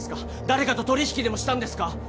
誰かと取引でもしたんですか？